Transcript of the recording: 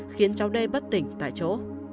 khiến cháu đê bất tỉnh tại chỗ